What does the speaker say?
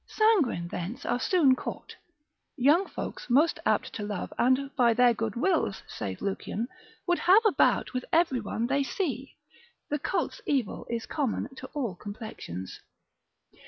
Sanguine thence are soon caught, young folks most apt to love, and by their good wills, saith Lucian, would have a bout with every one they see: the colt's evil is common to all complexions.